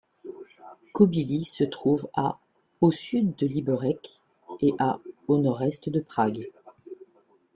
Kobyly se trouve à au sud de Liberec et à au nord-est de Prague.